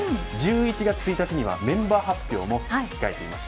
１１月１日にはメンバー発表も控えています。